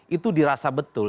itu dirasa betul